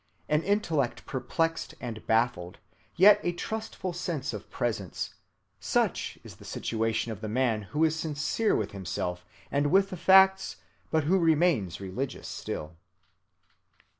An intellect perplexed and baffled, yet a trustful sense of presence—such is the situation of the man who is sincere with himself and with the facts, but who remains religious still.